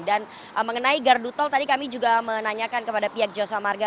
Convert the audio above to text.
dan mengenai gardu tol tadi kami juga menanyakan kepada pihak jasa marga